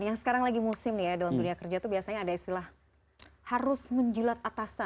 yang sekarang lagi musim ya dalam dunia kerja itu biasanya ada istilah harus menjilat atasan